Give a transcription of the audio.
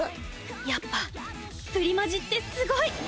やっぱプリマジってすごい！